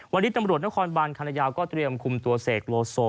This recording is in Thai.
วันนี้ตำรวจนครบานคันยาวก็เตรียมคุมตัวเสกโลโซ